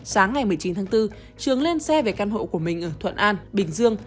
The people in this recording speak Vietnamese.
sáng ngày một mươi chín tháng bốn trường lên xe về căn hộ của mình ở thuận an bình dương